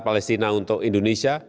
palestina untuk indonesia